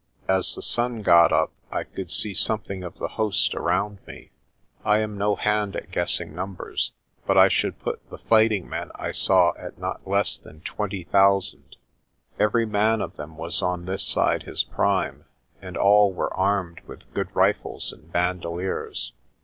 As the sun got up I could see something of the host around me. I am no hand at guessing numbers, but I should put ARCOLL SENDS A MESSAGE 149 the fighting men I saw at not less than twenty thousand. Every man of them was on this side his prime, and all were armed with good rifles and bandoliers.